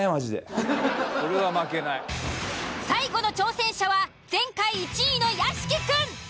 最後の挑戦者は前回１位の屋敷くん。